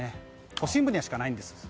都心部にしかないんです。